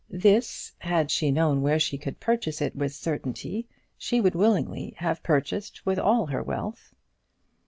This, had she known where she could purchase it with certainty, she would willingly have purchased with all her wealth.